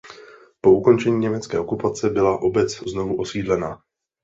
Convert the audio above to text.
Po ukončení německé okupace byla obec znovu osídlena.